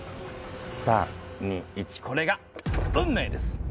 ３・２・１これが運命です！